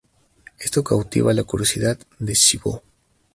Esto cautiva la curiosidad de Sibö.